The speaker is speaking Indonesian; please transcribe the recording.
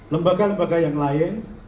lembaga lembaga yang lain